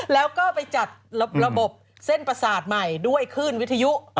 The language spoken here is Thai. แล้วก็ไปจัดระบบเส้นประสาทใหม่ด้วยขึ้นวิทยุ